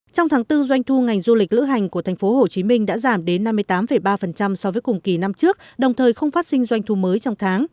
trong tháng bốn doanh thu ngành du lịch lữ hành của tp hcm đã giảm đến năm mươi tám ba so với cùng kỳ năm trước đồng thời không phát sinh doanh thu mới trong tháng